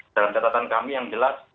dalam catatan kami yang jelas